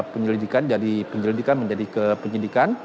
penyelidikan menjadi penyelidikan menjadi kepenyidikan